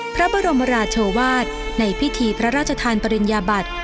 พระบรมราชวาสในพิธีพระราชทานปริญญาบัติ